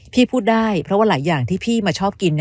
พูดได้เพราะว่าหลายอย่างที่พี่มาชอบกิน